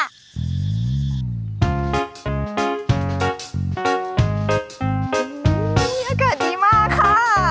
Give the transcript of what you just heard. อากาศดีมากค่ะ